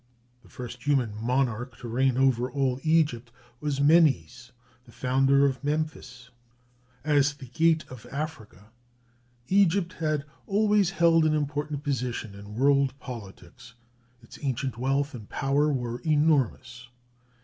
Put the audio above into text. The first human monarch to reign over all Egypt was Menes, the founder of Memphis. As the gate of Africa, Egypt has always held an important position in world politics. Its ancient wealth and power were enormous.